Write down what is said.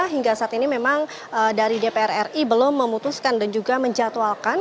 hingga saat ini memang dari dpr ri belum memutuskan dan juga menjatuhalkan